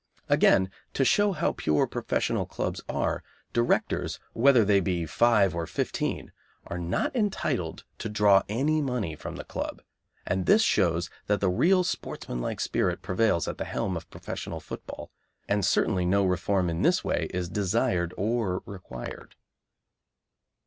Again, to show how pure professional clubs are, directors, whether they be five or fifteen, are not entitled to draw any money from the club, and this shows that the real sportsmanlike spirit prevails at the helm of professional football, and certainly no reform in this way is desired or required.